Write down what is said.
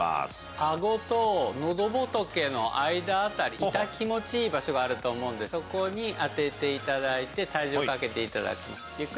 あごとのどぼとけの間辺り、痛気持ちいい場所があると思うんで、そこに当てていただいて、体重かけていただく。